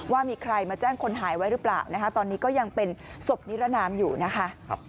ว่ามีใครมาแจ้งคนหายไว้หรือเปล่านะคะตอนนี้ก็ยังเป็นศพนิรนามอยู่นะคะ